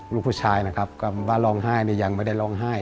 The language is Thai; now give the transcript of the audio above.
ลูกผู้ชายนะครับก็ว่าร้องไห้เนี่ยยังไม่ได้ร้องไห้